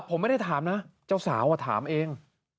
ผมไม่ได้ถามนะเจ้าสาวถามเอง